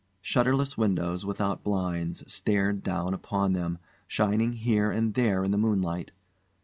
Shutterless windows, without blinds, stared down upon them, shining here and there in the moonlight.